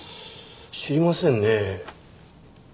知りませんねえ。